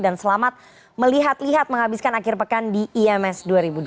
dan selamat melihat lihat menghabiskan akhir pekan di ims dua ribu dua puluh tiga